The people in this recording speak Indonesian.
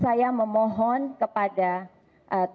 saya memohon kepada teman teman dan rekan rekan wartawan